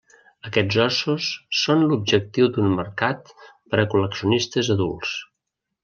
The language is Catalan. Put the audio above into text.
Aquests ossos són l'objectiu d'un mercat per a col·leccionistes adults.